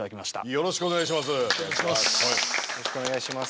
よろしくお願いします。